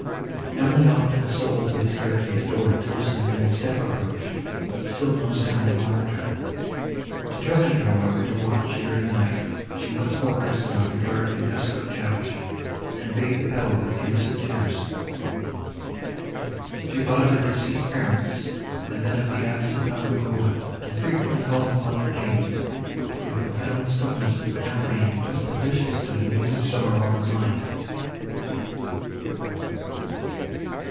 Emily often stole to the staircase door to listen if any step approached, but still no sound alarmed her: determining, however, to watch, during the night, she once more rested on her dark and desolate couch, and bathed the pillow with innocent tears. She thought of her deceased parents and then of the absent Valancourt, and frequently called upon their names; for the profound stillness, that now reigned, was propitious to the musing sorrow of her mind.